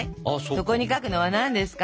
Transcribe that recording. そこに書くのは何ですか？